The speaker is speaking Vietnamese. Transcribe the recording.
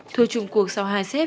thua trùng cuộc sau hai xét